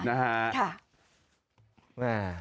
อ่าค่ะ